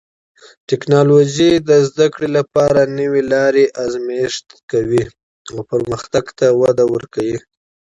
ټکنالوژي د زده کړې لپاره نوې لارې ازمېښتي کوي او پرمختګ ته وده ورکوي.